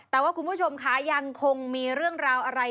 แต่ว่าคุณผู้ชมค่ะยังคงมีเรื่องราวอะไร